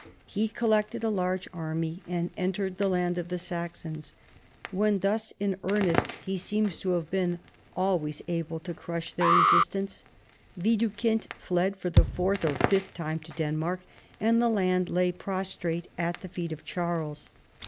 He collected a large array and entered the land of the Saxons. When thus in earnest he seems to have been always able to crush their resistance. Widukind fled for the fourth or fifth time to Denmark, and the land lay prostrate at the feet of Charles.